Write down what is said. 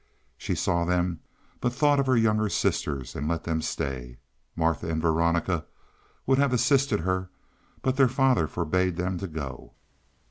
She saw them, but thought of her younger sisters, and let them stay. Martha and Veronica would have assisted her, but their father forbade them to go.